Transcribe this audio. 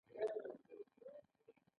د فریزینګ پای انټروپي زیاتوي.